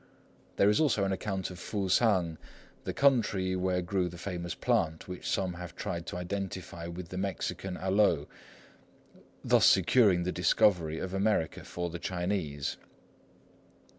There is also an account of Fusang, the country where grew the famous plant which some have tried to identify with the Mexican aloe, thus securing the discovery of America for the Chinese.